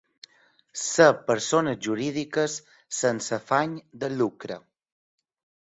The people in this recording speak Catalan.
Ser persones jurídiques sense afany de lucre.